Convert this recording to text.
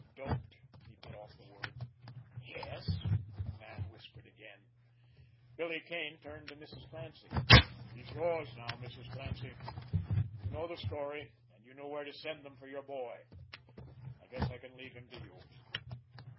"Doped?" He bit off the word. "Yes," the man whispered again. Billy Kane turned to Mrs. Clancy. "He's yours now, Mrs. Clancy. You know the story, and you know where to send them for your boy. I guess I can leave him to you.